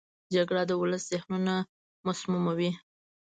جګړه د ولس ذهنونه مسموموي